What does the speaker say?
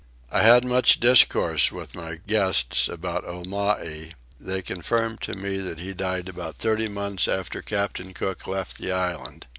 I had much discourse with my guests about Omai: they confirmed to me that he died about thirty months after Captain Cook left the islands.